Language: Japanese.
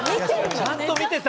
ちゃんと見てた。